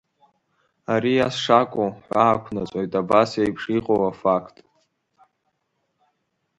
Ари ас шакәу ҳәаақәнаҵоит абас еиԥш иҟоу афақт…